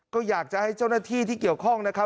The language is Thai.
ก็อยากจะให้เจ้าหน้าที่ที่เกี่ยวข้องนะครับ